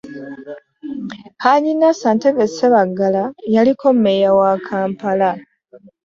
Hajji Nasser Ntege Ssebaggala, yaliko mmeeya wa Kampala.